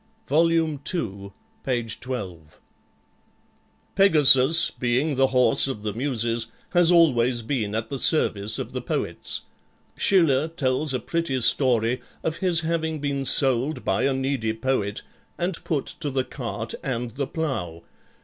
Vol II, p 12 Pegasus, being the horse of the Muses, has always been at the service of the poets. Schiller tells a pretty story of his having been sold by a needy poet and put to the cart and the plough.